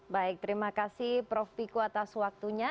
baik terima kasih prof viko atas waktunya